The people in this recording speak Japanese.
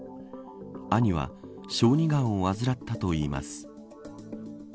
兄は小児がんを患ったといいます。